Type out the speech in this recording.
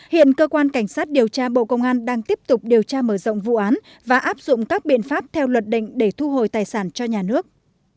hiện cơ quan cảnh sát điều tra bộ công an đang tiếp tục điều tra mở rộng vụ án và áp dụng các biện pháp theo luật định để thu hồi tài sản cho nhà nước